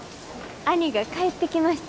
兄が帰ってきました。